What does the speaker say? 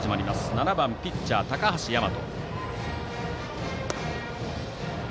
７番ピッチャー、高橋大和。